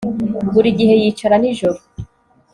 Buri gihe yicara nijoro